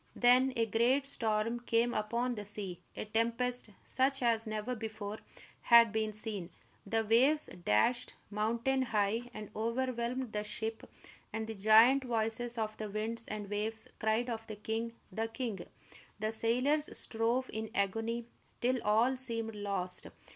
Then a great storm came upon the sea, a tempest such as never before had been seen. The waves dashed mountain high and overwhelmed the ship, and the giant voices of the winds and waves cried of the king, the king! The sailors strove in agony till all seemed lost.